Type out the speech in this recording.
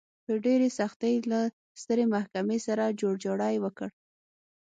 په ډېرې سختۍ له سترې محکمې سره جوړجاړی وکړ.